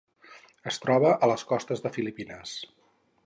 Es troba a les costes de Filipines.